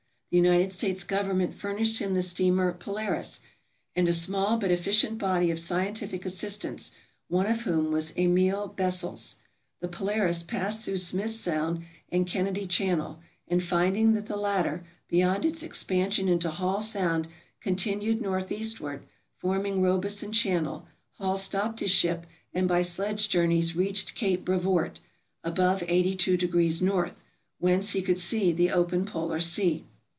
The United States government furnished him the steamer "Polaris," and a small but efficient body of scientific assistants, one of whom was Emil Bessels. The " Polaris" passed through Smith Sound and Kennedy Channel, and finding that the latter, beyond its ex pansion into Hall Sound, continued northeastward, forming Robeson Channel, Hall stopped his ship and by sledge journeys reached Cape Brevoort, above 820 N., whence he could see the open polar sea.